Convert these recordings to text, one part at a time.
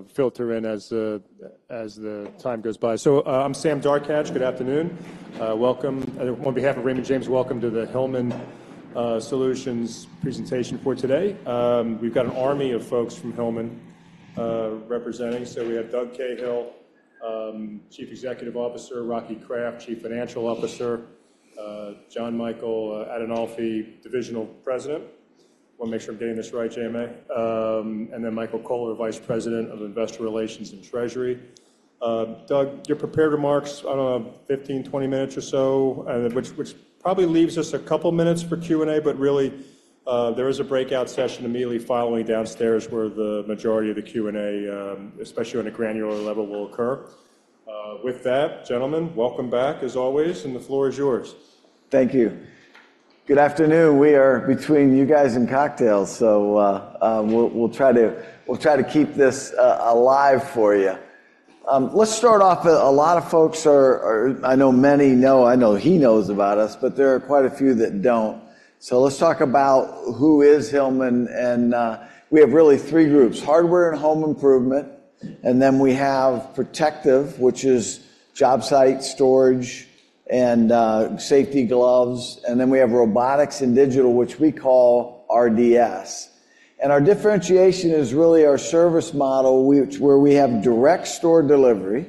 Will filter in as the time goes by. So, I'm Sam Darkatsh. Good afternoon. Welcome. On behalf of Raymond James, welcome to the Hillman Solutions presentation for today. We've got an army of folks from Hillman representing. So we have Doug Cahill, Chief Executive Officer, Rocky Kraft, Chief Financial Officer, Jon Michael Adinolfi, Divisional President. Wanna make sure I'm getting this right, JMA. And then Michael Koehler, Vice President of Investor Relations and Treasury. Doug, your prepared remarks, I don't know, 15, 20 minutes or so, which probably leaves us a couple of minutes for Q&A, but really, there is a breakout session immediately following downstairs, where the majority of the Q&A, especially on a granular level, will occur. With that, gentlemen, welcome back as always, and the floor is yours. Thank you. Good afternoon, we are between you guys and cocktails, so we'll try to keep this alive for you. Let's start off with a lot of folks are. I know many know, I know he knows about us, but there are quite a few that don't. So let's talk about who is Hillman, and we have really three groups: Hardware and Home Improvement, and then we have Protective, which is job site, storage, and safety gloves. And then we have Robotics and Digital, which we call RDS. And our differentiation is really our service model, which where we have direct store delivery.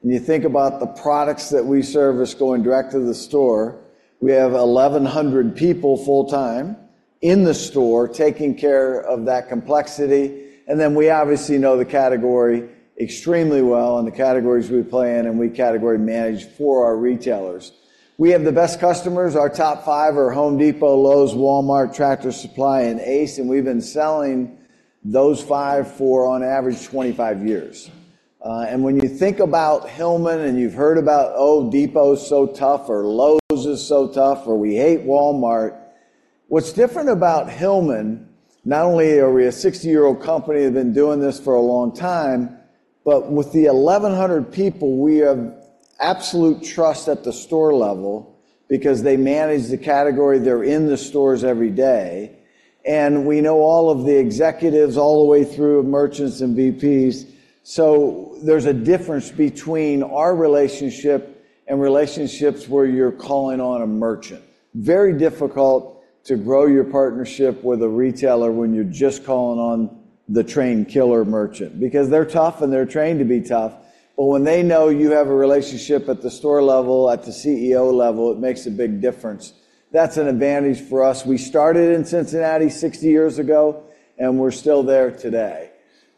When you think about the products that we service going direct to the store, we have 1,100 people full-time in the store taking care of that complexity. And then we obviously know the category extremely well and the categories we play in, and we category manage for our retailers. We have the best customers. Our top five are Home Depot, Lowe's, Walmart, Tractor Supply, and Ace, and we've been selling those five for on average, 25 years. And when you think about Hillman, and you've heard about, "Oh, Depot is so tough," or, "Lowe's is so tough," or, "We hate Walmart." What's different about Hillman, not only are we a 60-year-old company that been doing this for a long time, but with the 1,100 people, we have absolute trust at the store level because they manage the category. They're in the stores every day, and we know all of the executives all the way through merchants and VPs. So there's a difference between our relationship and relationships where you're calling on a merchant. very difficult to grow your partnership with a retailer when you're just calling on the trained killer merchant because they're tough, and they're trained to be tough. But when they know you have a relationship at the store level, at the CEO level, it makes a big difference. That's an advantage for us. We started in Cincinnati 60 years ago, and we're still there today.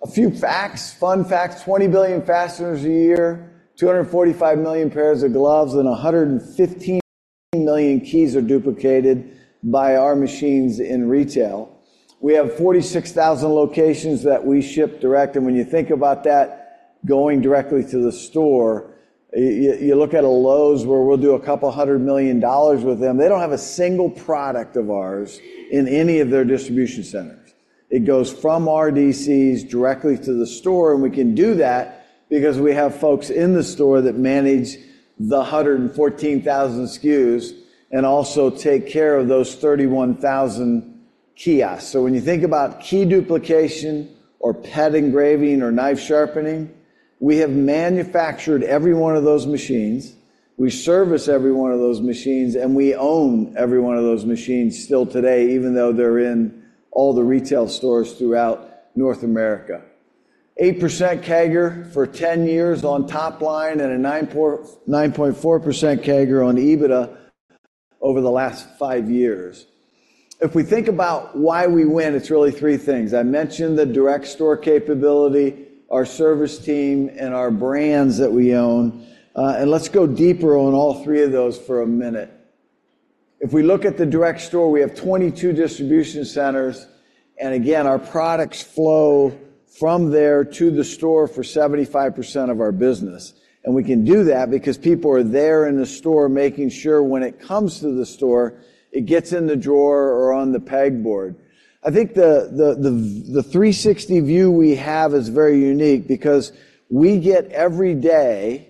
A few facts, fun facts, 20 billion fasteners a year, 245 million pairs of gloves, and 115 million keys are duplicated by our machines in retail. We have 46,000 locations that we ship direct, and when you think about that going directly to the store, you look at a Lowe's where we'll do $200 million with them. They don't have a single product of ours in any of their distribution centers. It goes from our DCs directly to the store, and we can do that because we have folks in the store that manage the 114,000 SKUs and also take care of those 31,000 kiosks. So when you think about key duplication or pet engraving or knife sharpening, we have manufactured every one of those machines. We service every one of those machines, and we own every one of those machines still today, even though they're in all the retail stores throughout North America. 8% CAGR for 10 years on top line and a 9.4% CAGR on EBITDA over the last five years. If we think about why we win, it's really three things. I mentioned the direct store capability, our service team, and our brands that we own. And let's go deeper on all three of those for a minute. If we look at the direct store, we have 22 distribution centers, and again, our products flow from there to the store for 75% of our business. And we can do that because people are there in the store making sure when it comes to the store, it gets in the drawer or on the pegboard. I think the 360 view we have is very unique because we get every day,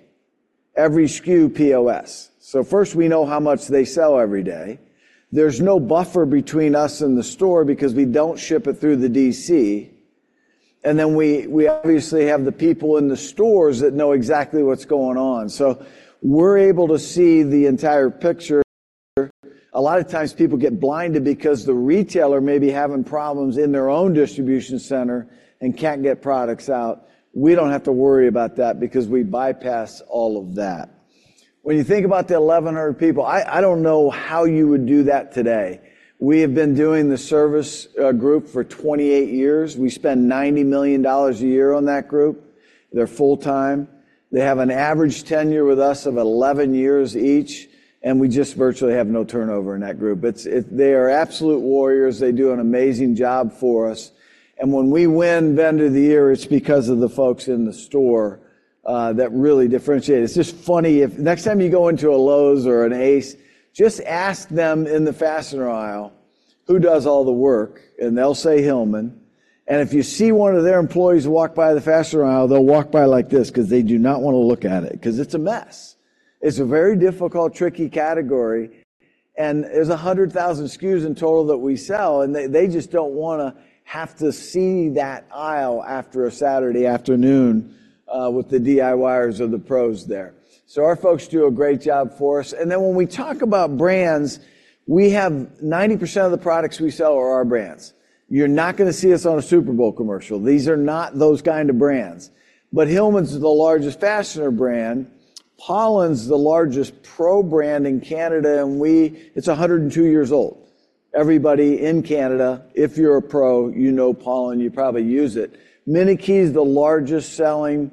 every SKU POS. So first, we know how much they sell every day. There's no buffer between us and the store because we don't ship it through the DC. And then we obviously have the people in the stores that know exactly what's going on. So we're able to see the entire picture. A lot of times people get blinded because the retailer may be having problems in their own distribution center and can't get products out. We don't have to worry about that because we bypass all of that. When you think about the 1,100 people, I don't know how you would do that today. We have been doing the service group for 28 years. We spend $90 million a year on that group. They're full-time. They have an average tenure with us of 11 years each, and we just virtually have no turnover in that group. It's they are absolute warriors. They do an amazing job for us, and when we win Vendor of the Year, it's because of the folks in the store that really differentiate. It's just funny, if next time you go into a Lowe's or an Ace, just ask them in the fastener aisle, "Who does all the work?" And they'll say, "Hillman." And if you see one of their employees walk by the fastener aisle, they'll walk by like this because they do not wanna look at it because it's a mess. It's a very difficult, tricky category. And there's 100,000 SKUs in total that we sell, and they, they just don't wanna have to see that aisle after a Saturday afternoon, with the DIYers or the pros there. So our folks do a great job for us. And then when we talk about brands, we have 90% of the products we sell are our brands. You're not gonna see us on a Super Bowl commercial. These are not those kind of brands. But Hillman's is the largest fastener brand. Paulin's the largest pro brand in Canada, and we, it's 102 years old. Everybody in Canada, if you're a pro, you know Paulin, you probably use it. Minute Key is the largest-selling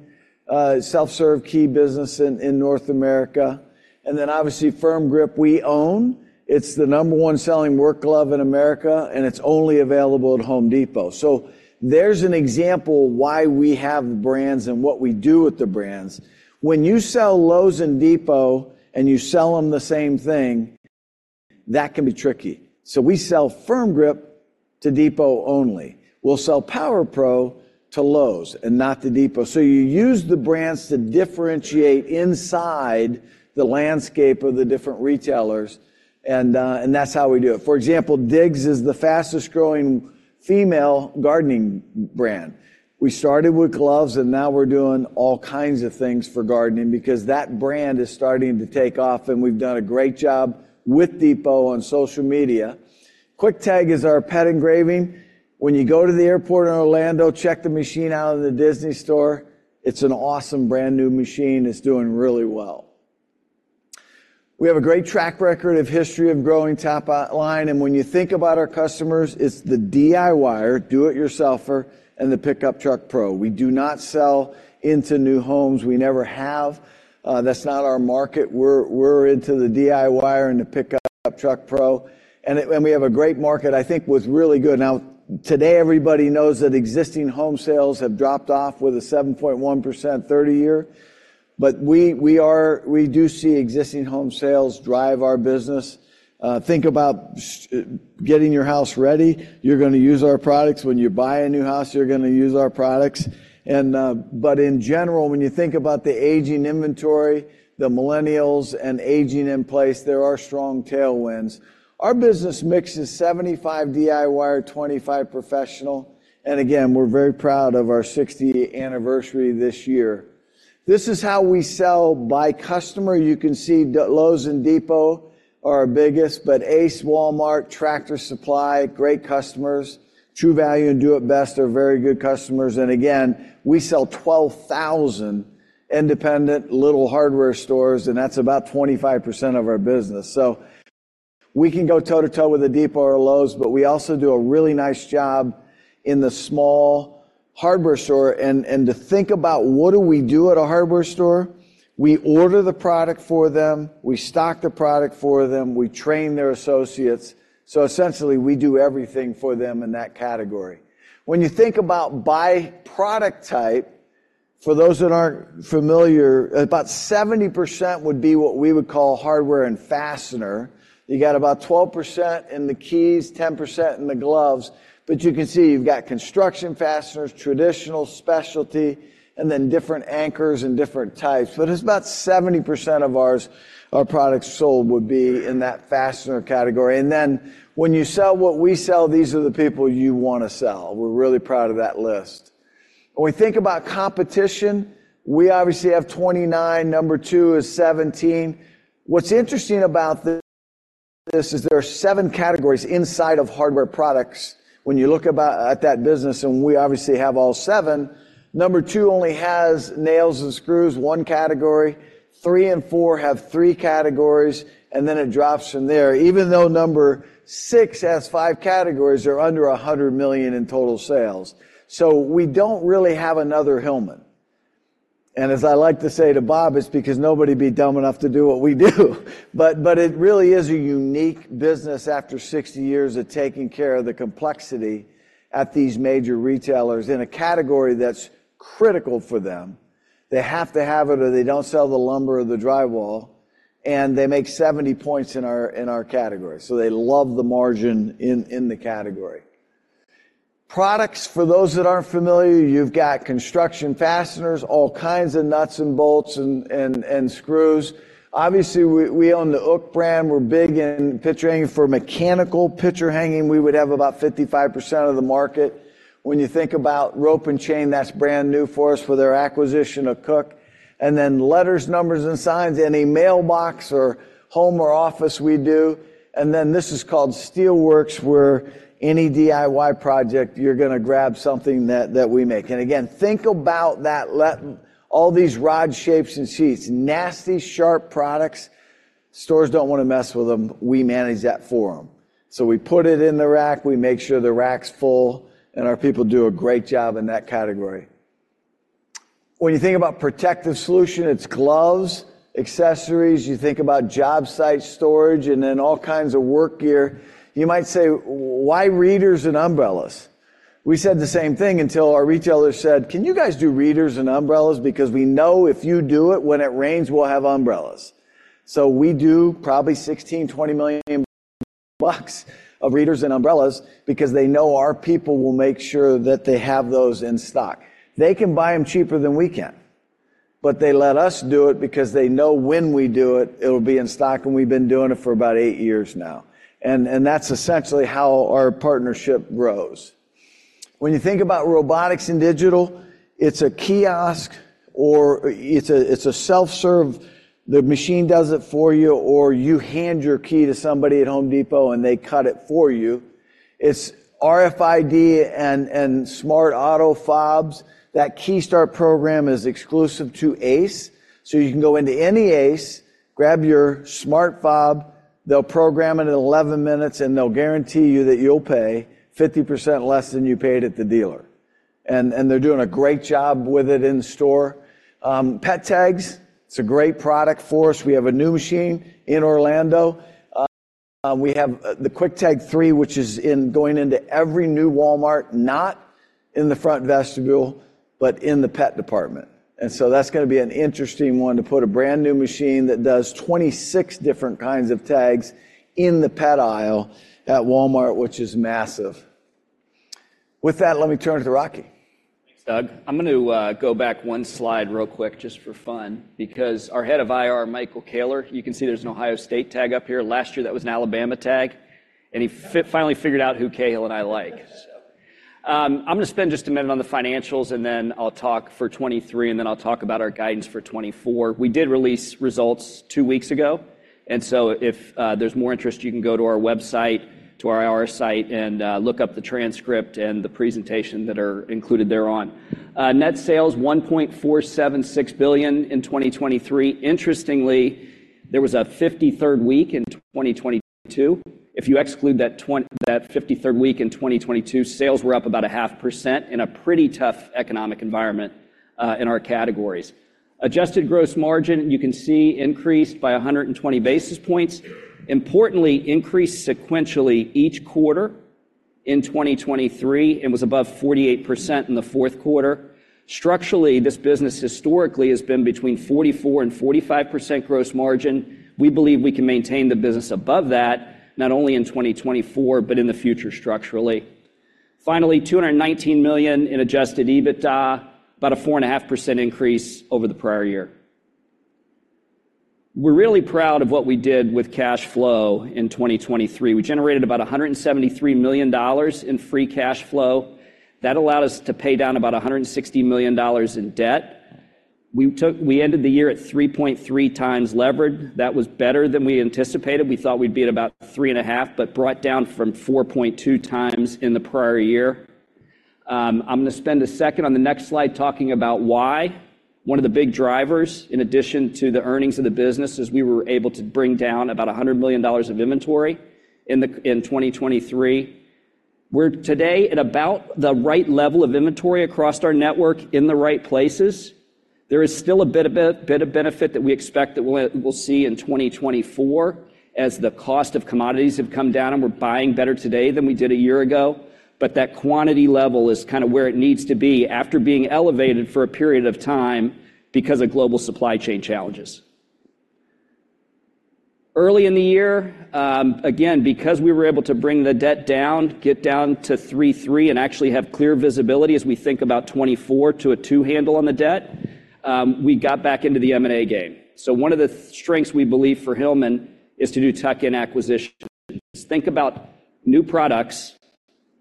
self-serve key business in North America. And then, obviously, Firm Grip we own. It's the number one selling work glove in America, and it's only available at Home Depot. So there's an example of why we have brands and what we do with the brands. When you sell Lowe's and Depot, and you sell them the same thing, that can be tricky. So we sell Firm Grip to Depot only. We'll sell Power Pro to Lowe's and not to Depot. So you use the brands to differentiate inside the landscape of the different retailers, and, and that's how we do it. For example, Digz is the fastest-growing female gardening brand. We started with gloves, and now we're doing all kinds of things for gardening because that brand is starting to take off, and we've done a great job with Home Depot on social media. Quick-Tag is our pet engraving. When you go to the airport in Orlando, check the machine out in the Disney store. It's an awesome brand-new machine. It's doing really well. We have a great track record of history of growing top line, and when you think about our customers, it's the DIYer, do-it-yourselfer, and the pickup truck pro. We do not sell into new homes. We never have. That's not our market. We're into the DIYer and the pickup truck pro, and we have a great market, I think, what's really good. Now, today, everybody knows that existing home sales have dropped off with a 7.1% 30-year, but we do see existing home sales drive our business. Think about getting your house ready. You're gonna use our products. When you buy a new house, you're gonna use our products. And, but in general, when you think about the aging inventory, the millennials and aging in place, there are strong tailwinds. Our business mix is 75 DIYer, 25 professional, and again, we're very proud of our 60th anniversary this year. This is how we sell by customer. You can see that Lowe's and Home Depot are our biggest, but Ace, Walmart, Tractor Supply, great customers. True Value and Do it Best are very good customers. And again, we sell 12,000 independent little hardware stores, and that's about 25% of our business. So we can go toe to toe with Home Depot or Lowe's, but we also do a really nice job in the small hardware store. And, and to think about what do we do at a hardware store, we order the product for them, we stock the product for them, we train their associates. So essentially, we do everything for them in that category. When you think about by product type, for those that aren't familiar, about 70% would be what we would call hardware and fastener. You got about 12% in the keys, 10% in the gloves, but you can see you've got construction fasteners, traditional, specialty, and then different anchors and different types. But it's about 70% of ours, our products sold would be in that fastener category. And then when you sell what we sell, these are the people you wanna sell. We're really proud of that list. When we think about competition, we obviously have 29. Number two is 17. What's interesting about this is there are seven categories inside of hardware products when you look at that business, and we obviously have all seven. Number two only has nails and screws, one category. Three and four have three categories, and then it drops from there. Even though number six has five categories, they're under $100 million in total sales. So we don't really have another Hillman. And as I like to say to Bob, "It's because nobody'd be dumb enough to do what we do." But, but it really is a unique business after 60 years of taking care of the complexity at these major retailers in a category that's critical for them. They have to have it, or they don't sell the lumber or the drywall, and they make 70 points in our category. So they love the margin in the category. Products, for those that aren't familiar, you've got construction fasteners, all kinds of nuts and bolts and screws. Obviously, we own the OOK brand. We're big in picture hanging. For mechanical picture hanging, we would have about 55% of the market. When you think about rope and chain, that's brand new for us for their acquisition of Koch. And then letters, numbers, and signs, any mailbox or home or office, we do. And then this is called SteelWorks, where any DIY project, you're gonna grab something that we make. And again, think about that all these rods, shapes, and sheets, nasty, sharp products. Stores don't wanna mess with them. We manage that for them. So we put it in the rack, we make sure the rack's full, and our people do a great job in that category. When you think about protective solution, it's gloves, accessories. You think about job site storage and then all kinds of work gear. You might say, "Why readers and umbrellas?" We said the same thing until our retailers said, "Can you guys do readers and umbrellas? Because we know if you do it, when it rains, we'll have umbrellas." So we do probably $16 million-$20 million of readers and umbrellas because they know our people will make sure that they have those in stock. They can buy them cheaper than we can... but they let us do it because they know when we do it, it'll be in stock, and we've been doing it for about eight years now. And that's essentially how our partnership grows. When you think about robotics and digital, it's a kiosk or it's a self-serve. The machine does it for you, or you hand your key to somebody at Home Depot, and they cut it for you. It's RFID and smart auto fobs. That KeyStart program is exclusive to ACE, so you can go into any ACE, grab your smart fob, they'll program it in 11 minutes, and they'll guarantee you that you'll pay 50% less than you paid at the dealer. And they're doing a great job with it in store. Pet tags, it's a great product for us. We have a new machine in Orlando. We have the Quick-Tag 3, which is going into every new Walmart, not in the front vestibule, but in the pet department. And so that's gonna be an interesting one, to put a brand-new machine that does 26 different kinds of tags in the pet aisle at Walmart, which is massive. With that, let me turn it to Rocky. Thanks, Doug. I'm gonna go back one slide real quick, just for fun, because our head of IR, Michael Koehler, you can see there's an Ohio State tag up here. Last year, that was an Alabama tag, and he finally figured out who Cahill and I like. I'm gonna spend just a minute on the financials, and then I'll talk for 2023, and then I'll talk about our guidance for 2024. We did release results two weeks ago, and so if there's more interest, you can go to our website, to our IR site, and look up the transcript and the presentation that are included thereon. Net sales, $1.476 billion in 2023. Interestingly, there was a 53rd week in 2022. If you exclude that 53rd week in 2022, sales were up about 0.5% in a pretty tough economic environment, in our categories. Adjusted gross margin, you can see, increased by 120 basis points. Importantly, increased sequentially each quarter in 2023 and was above 48% in the fourth quarter. Structurally, this business historically has been between 44%-45% gross margin. We believe we can maintain the business above that, not only in 2024, but in the future, structurally. Finally, $219 million in adjusted EBITDA, about a 4.5% increase over the prior year. We're really proud of what we did with cash flow in 2023. We generated about $173 million in free cash flow. That allowed us to pay down about $160 million in debt. We ended the year at 3.3 times levered. That was better than we anticipated. We thought we'd be at about 3.5, but brought down from 4.2 times in the prior year. I'm gonna spend a second on the next slide talking about why. One of the big drivers, in addition to the earnings of the business, is we were able to bring down about $100 million of inventory in 2023. We're today at about the right level of inventory across our network in the right places. There is still a bit of benefit that we expect that we'll see in 2024, as the cost of commodities have come down, and we're buying better today than we did a year ago. But that quantity level is kinda where it needs to be after being elevated for a period of time because of global supply chain challenges. Early in the year, again, because we were able to bring the debt down, get down to 3.3, and actually have clear visibility as we think about 2024 to a two handle on the debt, we got back into the M&A game. So one of the strengths we believe for Hillman is to do tuck-in acquisitions. Think about new products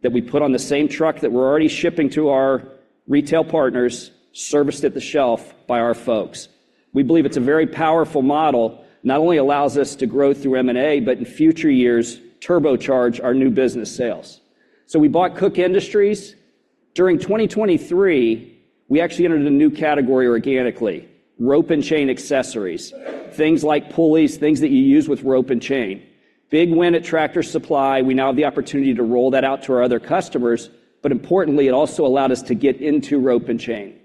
that we put on the same truck that we're already shipping to our retail partners, serviced at the shelf by our folks. We believe it's a very powerful model, not only allows us to grow through M&A, but in future years, turbocharge our new business sales. So we bought Koch Industries. During 2023, we actually entered a new category organically, rope and chain accessories, things like pulleys, things that you use with rope and chain. Big win at Tractor Supply. We now have the opportunity to roll that out to our other customers, but importantly, it also allowed us to get into rope and chain.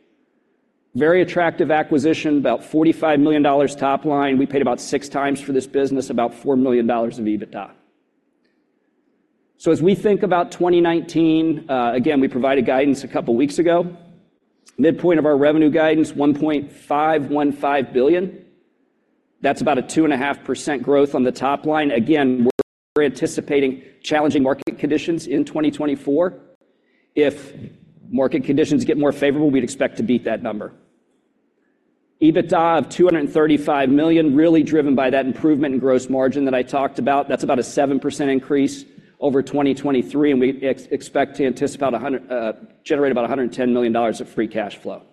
Very attractive acquisition, about $45 million top line. We paid about 6x for this business, about $4 million of EBITDA. So as we think about 2019, again, we provided guidance a couple weeks ago. Midpoint of our revenue guidance, $1.515 billion. That's about a 2.5% growth on the top line. Again, we're anticipating challenging market conditions in 2024. If market conditions get more favorable, we'd expect to beat that number. EBITDA of $235 million, really driven by that improvement in gross margin that I talked about. That's about a 7% increase over 2023, and we expect to generate about $110 million of free cash flow.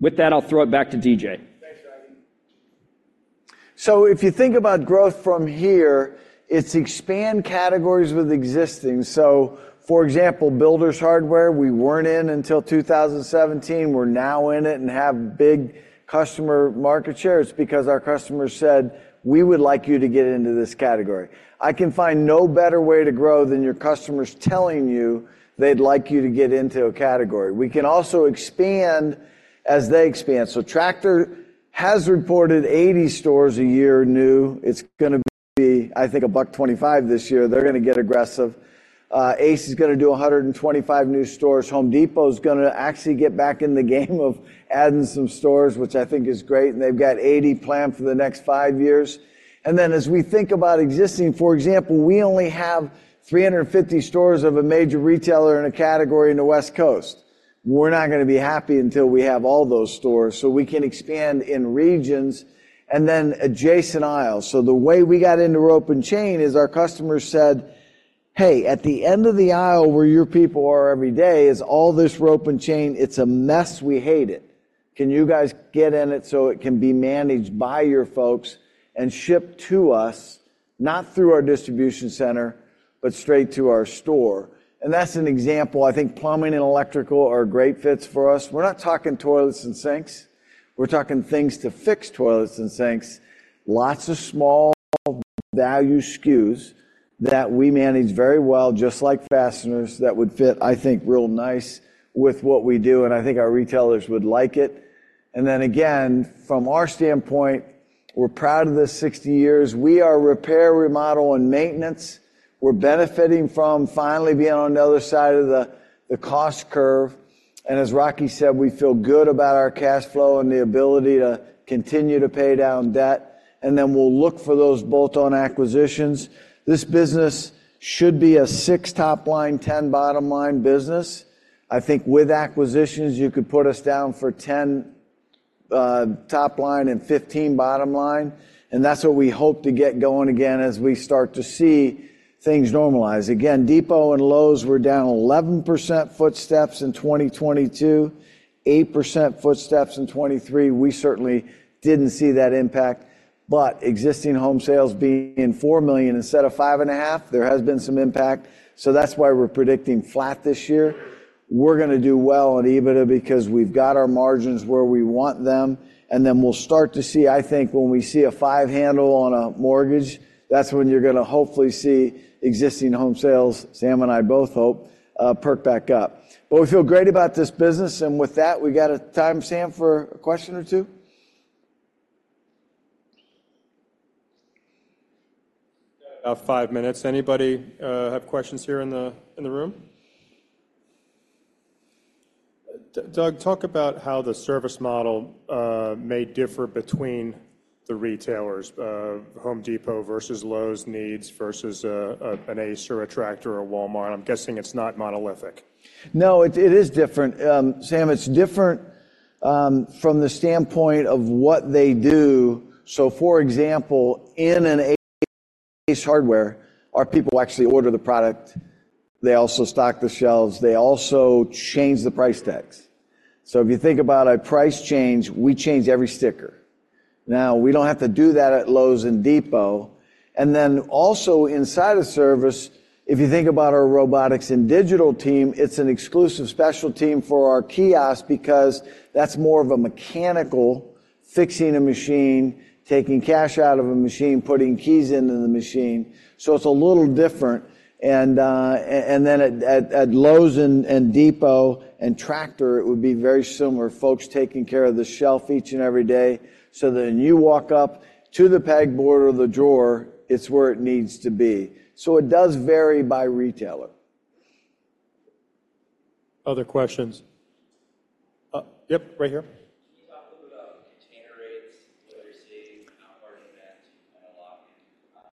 With that, I'll throw it back to DJ. Thanks, Rocky. So if you think about growth from here, it's expand categories with existing. So, for example, builders hardware, we weren't in until 2017. We're now in it and have big customer market shares because our customers said: "We would like you to get into this category." I can find no better way to grow than your customers telling you they'd like you to get into a category. We can also expand as they expand. So Tractor has reported 80 stores a year new. It's gonna be, I think, $125 this year. They're gonna get aggressive. ACE is gonna do 125 new stores. Home Depot is gonna actually get back in the game of adding some stores, which I think is great, and they've got 80 planned for the next five years. As we think about existing, for example, we only have 350 stores of a major retailer in a category in the West Coast. We're not gonna be happy until we have all those stores, so we can expand in regions and then adjacent aisles. So the way we got into rope and chain is our customers said, "Hey, at the end of the aisle where your people are every day is all this rope and chain. It's a mess. We hate it. Can you guys get in it so it can be managed by your folks and shipped to us, not through our distribution center, but straight to our store?" And that's an example. I think plumbing and electrical are great fits for us. We're not talking toilets and sinks. We're talking things to fix toilets and sinks. Lots of small value SKUs that we manage very well, just like fasteners that would fit, I think, real nice with what we do, and I think our retailers would like it. And then again, from our standpoint, we're proud of this 60 years. We are repair, remodel, and maintenance. We're benefiting from finally being on the other side of the, the cost curve. And as Rocky said, we feel good about our cash flow and the ability to continue to pay down debt, and then we'll look for those bolt-on acquisitions. This business should be a six top line, 10 bottom line business. I think with acquisitions, you could put us down for 10 top line and 15 bottom line, and that's what we hope to get going again as we start to see things normalize. Again, Depot and Lowe's were down 11% in foot traffic in 2022, 8% in foot traffic in 2023. We certainly didn't see that impact. But existing home sales being 4 million instead of 5.5 million, there has been some impact. So that's why we're predicting flat this year. We're gonna do well on EBITDA because we've got our margins where we want them, and then we'll start to see—I think when we see a five handle on a mortgage, that's when you're gonna hopefully see existing home sales, Sam and I both hope, perk back up. But we feel great about this business, and with that, we got a time, Sam, for a question or two? About five minutes. Anybody have questions here in the room? Doug, talk about how the service model may differ between the retailers. Home Depot versus Lowe's needs versus an Ace, or a Tractor or a Walmart. I'm guessing it's not monolithic. No, it is different. Sam, it's different from the standpoint of what they do. So, for example, in an Ace Hardware, our people actually order the product. They also stock the shelves. They also change the price tags. So if you think about a price change, we change every sticker. Now, we don't have to do that at Lowe's and Home Depot, and then also inside of service, if you think about our robotics and digital team, it's an exclusive special team for our kiosk because that's more of a mechanical, fixing a machine, taking cash out of a machine, putting keys into the machine. So it's a little different. And then at Lowe's and Depot and Tractor, it would be very similar, folks taking care of the shelf each and every day, so that when you walk up to the pegboard or the drawer, it's where it needs to be. So it does vary by retailer. Other questions? Yep, right here. Can you talk a little about container rates, what you're seeing, how far in advance you kind of lock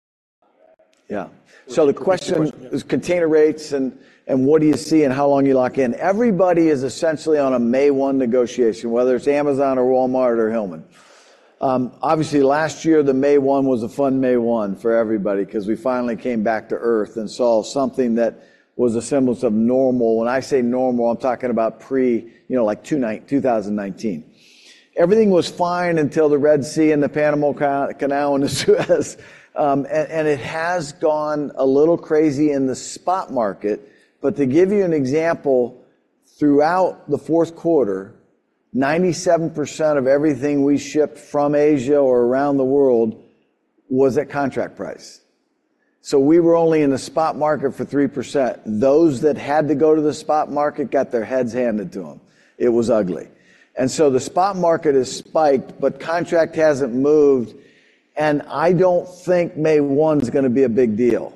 into contracts? Yeah. So the question- The question- Is container rates and, and what do you see and how long you lock in. Everybody is essentially on a May 1 negotiation, whether it's Amazon or Walmart or Hillman. Obviously, last year, the May 1 was a fun May 1 for everybody 'cause we finally came back to Earth and saw something that was a semblance of normal. When I say normal, I'm talking about pre, you know, like 2019. Everything was fine until the Red Sea and the Panama Canal and the Suez Canal. And it has gone a little crazy in the spot market. But to give you an example, throughout the fourth quarter, 97% of everything we shipped from Asia or around the world was at contract price. So we were only in the spot market for 3%. Those that had to go to the spot market got their heads handed to them. It was ugly. And so the spot market has spiked, but contract hasn't moved, and I don't think May 1's gonna be a big deal.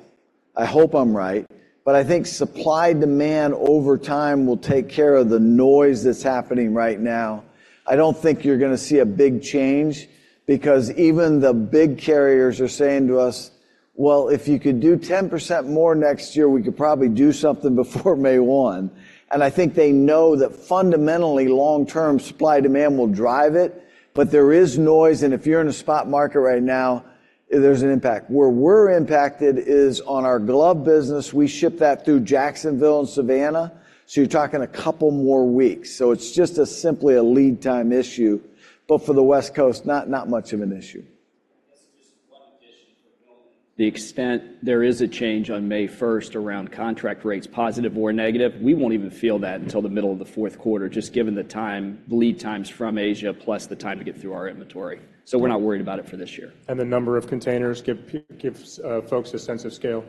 I hope I'm right, but I think supply-demand over time will take care of the noise that's happening right now. I don't think you're gonna see a big change because even the big carriers are saying to us, "Well, if you could do 10% more next year, we could probably do something before May 1." And I think they know that fundamentally, long-term supply-demand will drive it, but there is noise, and if you're in a spot market right now, there's an impact. Where we're impacted is on our glove business. We ship that through Jacksonville and Savannah, so you're talking a couple more weeks. So it's just a simple lead time issue, but for the West Coast, not, not much of an issue. I guess just one addition for building. The extent there is a change on May first around contract rates, positive or negative, we won't even feel that until the middle of the fourth quarter, just given the time, the lead times from Asia, plus the time to get through our inventory. So we're not worried about it for this year. The number of containers gives folks a sense of scale.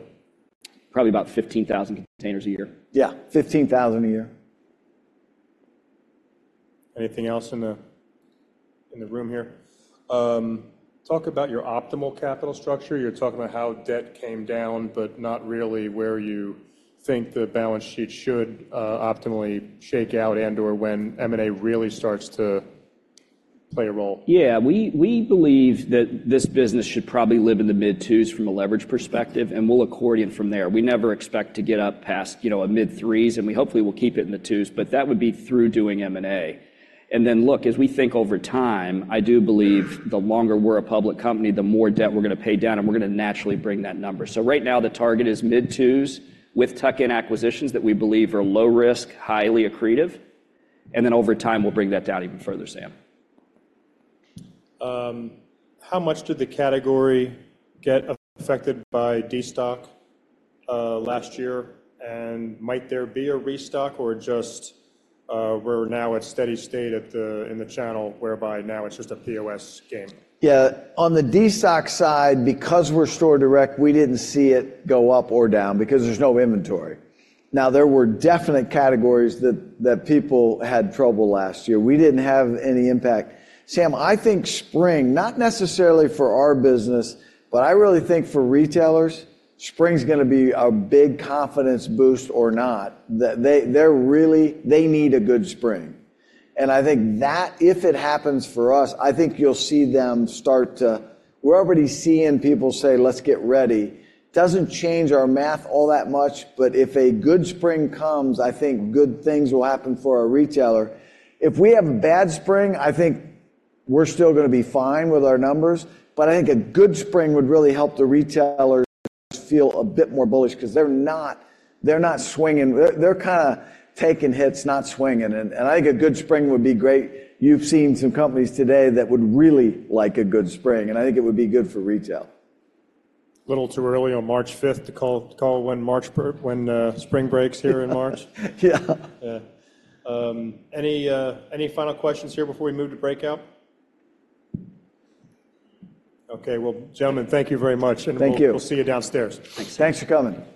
Probably about 15,000 containers a year. Yeah, $15,000 a year. Anything else in the room here? Talk about your optimal capital structure. You're talking about how debt came down, but not really where you think the balance sheet should optimally shake out and/or when M&A really starts to play a role? Yeah, we believe that this business should probably live in the mid-twos from a leverage perspective, and we'll accrete in from there. We never expect to get up past, you know, a mid-threes, and we hopefully will keep it in the twos, but that would be through doing M&A. And then look, as we think over time, I do believe the longer we're a public company, the more debt we're gonna pay down, and we're gonna naturally bring that number. So right now, the target is mid-twos with tuck-in acquisitions that we believe are low risk, highly accretive, and then over time, we'll bring that down even further, Sam. How much did the category get affected by destock last year? And might there be a restock or just we're now at steady state in the channel, whereby now it's just a POS game? Yeah, on the destock side, because we're store direct, we didn't see it go up or down because there's no inventory. Now, there were definite categories that people had trouble last year. We didn't have any impact. Sam, I think spring, not necessarily for our business, but I really think for retailers, spring's gonna be a big confidence boost or not. They're really-- they need a good spring. And I think that if it happens for us, I think you'll see them start to-- We're already seeing people say, "Let's get ready." Doesn't change our math all that much, but if a good spring comes, I think good things will happen for our retailer. If we have a bad spring, I think we're still gonna be fine with our numbers, but I think a good spring would really help the retailers feel a bit more bullish 'cause they're not swinging. They're kinda taking hits, not swinging, and I think a good spring would be great. You've seen some companies today that would really like a good spring, and I think it would be good for retail. A little too early on March fifth to call when March, per, when spring breaks here in March. Yeah. Yeah. Any final questions here before we move to breakout? Okay, well, gentlemen, thank you very much- Thank you. We'll see you downstairs. Thanks. Thanks for coming.